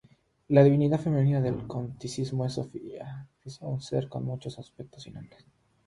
La divinidad femenina del gnosticismo es Sofía, un ser con muchos aspectos y nombres.